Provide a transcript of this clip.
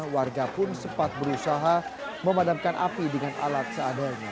warga pun sempat berusaha memadamkan api dengan alat seadanya